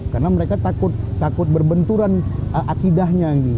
karena mereka takut berbenturan akidahnya